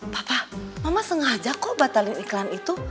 papa mama sengaja kok batalin iklan itu